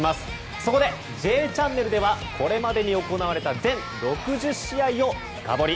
そこで、「Ｊチャンネル」ではこれまでに行われた全６０試合を深掘り。